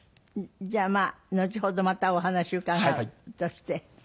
じゃあまあのちほどまたお話伺うとして。